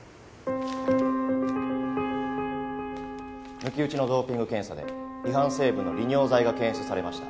抜き打ちのドーピング検査で違反成分の利尿剤が検出されました。